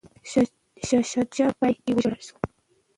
شاه شجاع په پای کي ووژل شو.